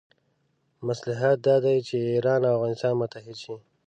مصلحت دا دی چې ایران او افغانستان متحد شي.